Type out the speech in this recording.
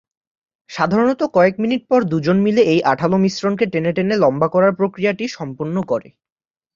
সাধারণত কয়েক মিনিট পর দুজন মিলে এই আঠালো মিশ্রণকে টেনে টেনে লম্বা করার প্রক্রিয়াটি সম্পন্ন করে।